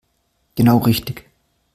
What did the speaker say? Genau richtig.